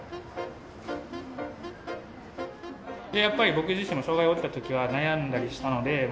やっぱり僕自身も障害が起きた時は悩んだりしたので。